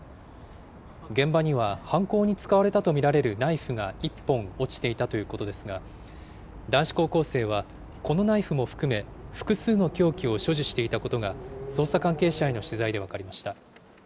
現場には犯行に使われたと見られるナイフが１本落ちていたということですが、男子高校生は、このナイフも含め、複数の凶器を所持していたことが、捜査関係者への取材で分かりました。